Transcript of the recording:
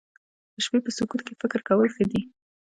د شپې په سکوت کې فکر کول ښه دي